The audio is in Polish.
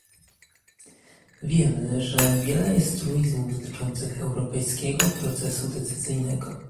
Wiemy, że wiele jest truizmów dotyczących europejskiego procesu decyzyjnego